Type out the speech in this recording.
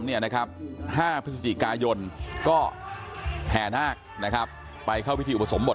ห้าพฤศจิกายนก็แห่นห้าไปเข้าวิธีอุปสรมบท